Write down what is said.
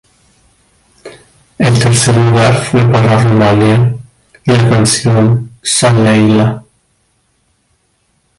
El tercer lugar fue para Rumania y la canción"Zaleilah".